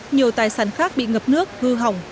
nhiều tài sản khác bị ngập nước hư hỏng